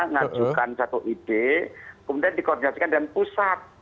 ngajukan satu ide kemudian dikoordinasikan dengan pusat